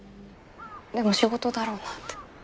でも仕事だろうなって。